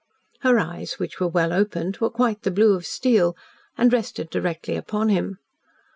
Her eyes, which were well opened, were quite the blue of steel, and rested directly upon him.